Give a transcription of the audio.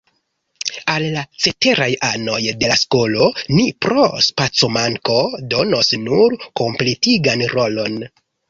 Al la ceteraj anoj de la skolo ni pro spacomanko donos nur kompletigan rolon.